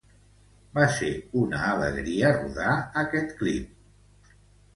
Va ser una alegria rodar este clip.